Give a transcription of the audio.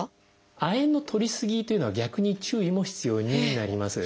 亜鉛のとりすぎというのは逆に注意も必要になります。